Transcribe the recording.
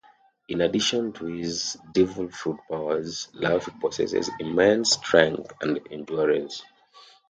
In addition to his Devil Fruit powers, Luffy possesses immense strength and endurance.